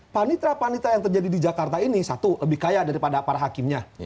panitra panita yang terjadi di jakarta ini satu lebih kaya daripada para hakimnya